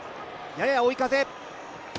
やや追い風。